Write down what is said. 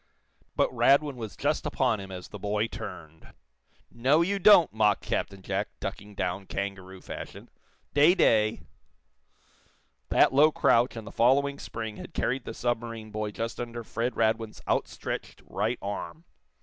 But Radwin was just upon him as the boy turned. "No, you don't!" mocked Captain Jack, ducking down, kangaroo fashion. "Day day!" That low crouch and the following spring had carried the submarine boy just under Fred Radwin's outstretched right arm.